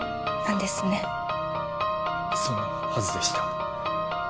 そのはずでした。